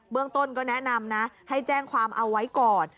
เรื่องต้นก็แนะนำนะให้แจ้งความเอาไว้ก่อน